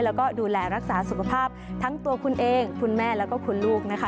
แล้วก็ดูแลรักษาสุขภาพทั้งตัวคุณเองคุณแม่แล้วก็คุณลูกนะคะ